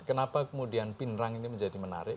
kenapa kemudian pinerang ini menjadi menarik